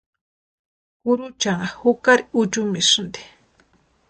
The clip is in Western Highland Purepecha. Kuruchanha jukari uchumisïnti.